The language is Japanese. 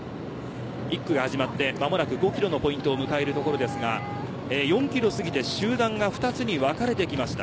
１区が始まってまもなく５ｋｍのポイントを迎えるところですが４ｋｍ過ぎて集団が２つに分かれてきました。